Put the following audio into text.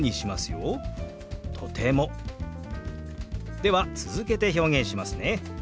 では続けて表現しますね。